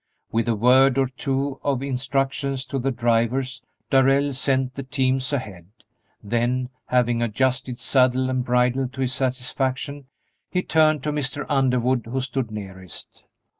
With a word or two of instructions to the drivers Darrell sent the teams ahead; then, having adjusted saddle and bridle to his satisfaction, he turned to Mr. Underwood, who stood nearest.